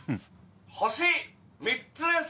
星３つです！